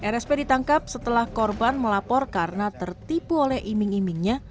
rsp ditangkap setelah korban melapor karena tertipu oleh iming imingnya